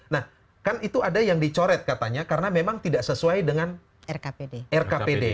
nah kan itu ada yang dicoret katanya karena memang tidak sesuai dengan rkpd